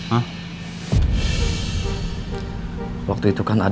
insert dan kan aapk